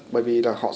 bởi vì là họ